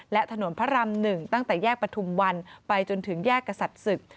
และถนนพระราม๑ตั้งแต่แยกปฐุมวันไปจนถึงแยกกษัตริย์ศึก